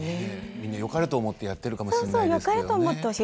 みんな、よかれと思ってやってるかもしれないですね。